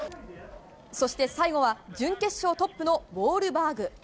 そして、最後は準決勝トップのウォールバーグ。